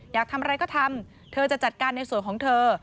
อยากทำอะไรก็ทำเธอจะจัดการในส่วนของเธอ